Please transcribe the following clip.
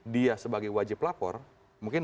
dia sebagai wajib lapor mungkin